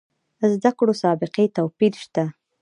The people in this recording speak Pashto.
زده کړو سابقې توپیر شته.